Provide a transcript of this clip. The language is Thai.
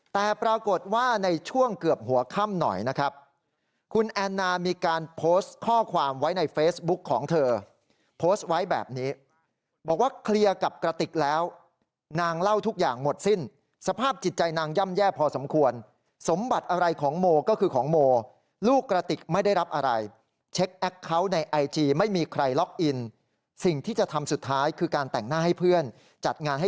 แต่ปรากฏว่าในช่วงเกือบหัวค่ำหน่อยนะครับคุณแอนนามีการโพสต์ข้อความไว้ในเฟซบุ๊กของเธอโพสต์ไว้แบบนี้บอกว่าเคลียร์กับกระติกแล้วนางเล่าทุกอย่างหมดสิ้นสภาพจิตใจนางย่ำแย่พอสมควรสมบัติอะไรของโมก็คือของโมลูกกระติกไม่ได้รับอะไรเช็คแอคเคาน์ในไอจีไม่มีใครล็อกอินสิ่งที่จะทำสุดท้ายคือการแต่งหน้าให้เพื่อนจัดงานให้